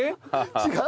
違う？